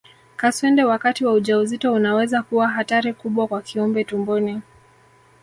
Kaswende wakati wa ujauzito unaweza kuwa hatari kubwa kwa kiumbe tumboni